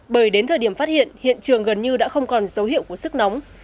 bởi đến thời điểm phát hiện hiện trường gần như đã không còn dấu hiệu của sức nóng